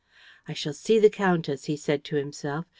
"I shall see the countess," he said to himself.